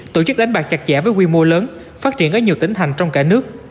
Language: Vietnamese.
tổ chức đánh bạc chặt chẽ với quy mô lớn phát triển ở nhiều tỉnh thành trong cả nước